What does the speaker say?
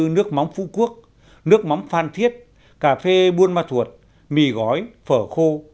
nước móng phú quốc nước móng phan thiết cà phê buôn ma thuột mì gói phở khô